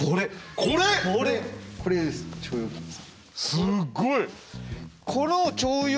すっごい！